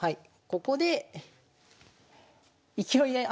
ここで勢いね